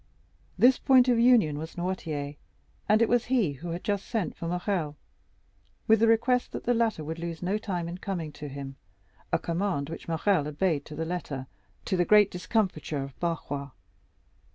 This point of union was Noirtier, and it was he who had just sent for Morrel, with the request that the latter would lose no time in coming to him—a command which Morrel obeyed to the letter, to the great discomfiture of Barrois.